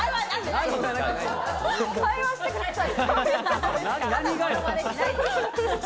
会話してください。